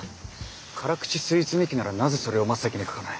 辛口スイーツ日記ならなぜそれを真っ先に書かない。